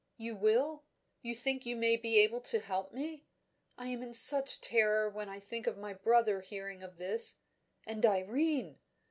"You will? You think you may be able to help me? I am in such terror when I think of my brother hearing of this. And Irene!